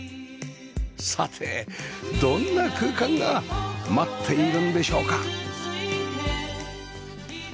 さてどんな空間が待っているんでしょうか？